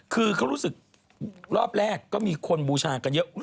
คือเขารู้สึกรอบแรกก็มีคนบูชากันเยอะ